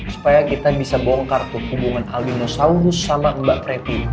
supaya kita bisa bongkar tuh hubungan alvin osaurus sama mbak preppy